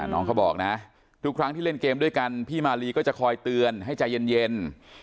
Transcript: น้องเขาบอกนะทุกครั้งที่เล่นเกมด้วยกันพี่มาลีก็จะคอยเตือนให้ใจเย็น